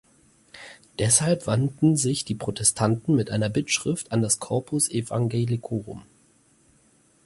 Deshalb wandten sich die Protestanten mit einer Bittschrift an das Corpus Evangelicorum.